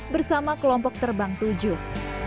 bersama kelompok terbang tujuh